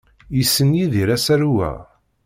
Yessen Yidir asaru-a?